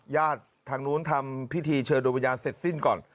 ทางนู้นทำพิธีเชิญโดยวิญญาณเสร็จสิ้นก่อน